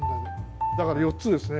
だから４つですね